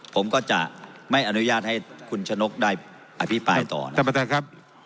ผมก็จะไม่อนุญาตให้คุณชะนกได้อภิปรายต่อนะครับท่านประธานครับ